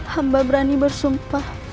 hamba berani bersumpah